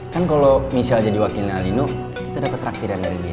kan kalau misal jadi wakilnya alino kita dapet traktiran dari dia